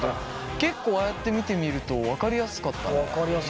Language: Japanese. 結構ああやって見てみると分かりやすかったね。